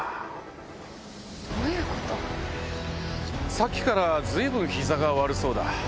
さっきから随分膝が悪そうだ。